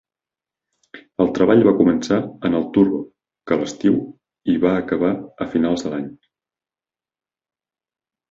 El treball va començar en el "Turbo" que l'estiu i va acabar a finals de l'any.